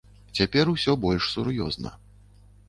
Цяпер усё больш сур'ёзна.